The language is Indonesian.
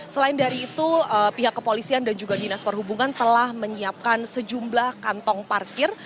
selain dari itu pihak kepolisian dan juga dinas perhubungan telah menyiapkan sejumlah kantong parkir